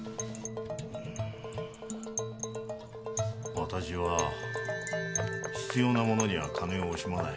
わたしは必要なものには金を惜しまない。